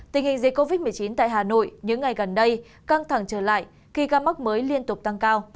tình hình dịch covid một mươi chín tại hà nội những ngày gần đây căng thẳng trở lại khi ca mắc mới liên tục tăng cao